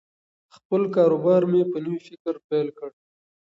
خپل کاروبار مې په نوي فکر پیل کړ.